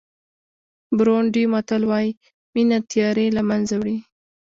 بورونډي متل وایي مینه تیارې له منځه وړي.